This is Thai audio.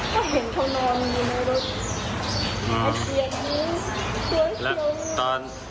ก็เห็นเขานอนอยู่ในรถตอน